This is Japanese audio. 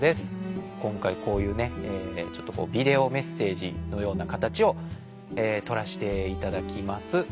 こんかいこういうねちょっとビデオメッセージのようなかたちをとらしていただきます。